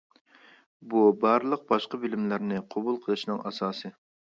بۇ بارلىق باشقا بىلىملەرنى قوبۇل قىلىشنىڭ ئاساسى.